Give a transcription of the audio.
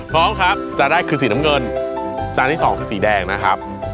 พร้อมครับจานแรกคือสีน้ำเงินจานที่สองคือสีแดงนะครับ